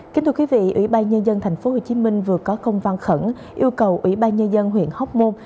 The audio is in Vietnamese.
kính thưa quý vị ủy ban nhân dân tp hcm vừa có công văn khẩn yêu cầu ủy ban nhân dân huyện hóc môn